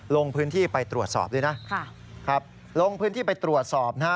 ลงพื้นที่ไปตรวจสอบเลยนะลงพื้นที่ไปตรวจสอบนะ